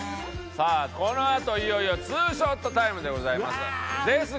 さあこのあといよいよ２ショットタイムでございますが。